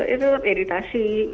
itu iritasi ya